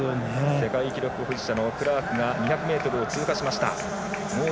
世界記録保持者のクラークが２００ｍを通過。